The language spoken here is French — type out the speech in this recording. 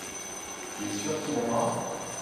Tu es sûr qu’il aimera.